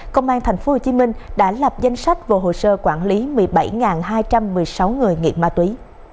công an tp hcm đã lập danh sách và hồ sơ quản lý một mươi bảy hai trăm một mươi sáu người nghiện ma túy